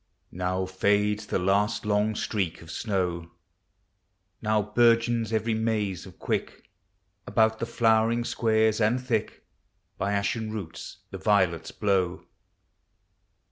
Now fades the last long streak <>f simw ; Now bourgeons every maze of quick About the flowering squares, and thick By ashen roots the violets blow.